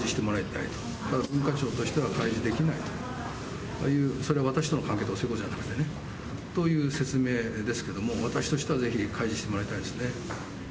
ただ、文化庁としては開示できないという、それは私との関係とかそういうことじゃなくてね、という説明ですけれども、私としてはぜひ開示してもらいたいですね。